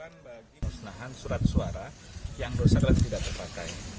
pemusnahan surat suara yang rusak adalah tidak terpakai